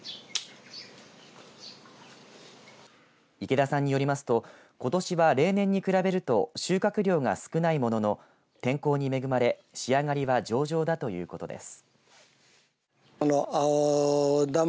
池田さんによりますとことしは例年に比べると収穫量が少ないものの天候に恵まれ仕上がりは上々だということです。